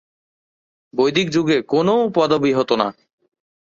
বৈদিক যুগে কোনও পদবি হতো না।